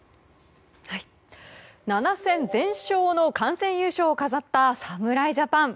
７戦全勝の完全優勝を飾った侍ジャパン。